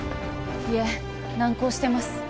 いえ難航してます